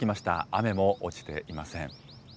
雨も落ちていません。